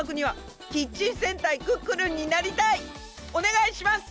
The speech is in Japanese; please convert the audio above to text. おねがいします！